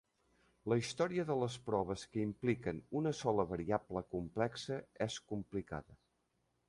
La història de les proves que impliquen una sola variable complexa és complicada.